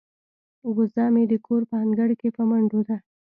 وزه مې د کور په انګړ کې په منډو ده.